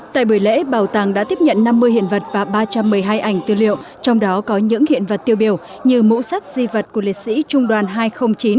tại buổi lễ bảo tàng đã tiếp nhận năm mươi hiện vật và ba trăm một mươi hai ảnh tiêu liệu trong đó có những hiện vật tiêu biểu như mũ sắt di vật của liệt sĩ trung đoàn hai trăm linh chín